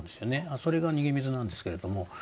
それが逃水なんですけれども。